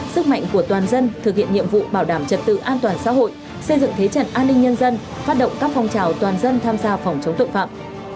sức mạnh của toàn dân thực hiện nhiệm vụ bảo đảm trật tự an toàn xã hội xây dựng thế trận an ninh nhân dân phát động các phong trào toàn dân tham gia phòng chống tội phạm